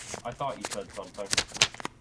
I thought you said something.